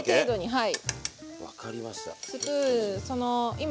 はい。